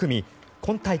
今大会